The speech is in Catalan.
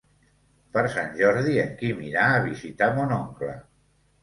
Per Sant Jordi en Quim irà a visitar mon oncle.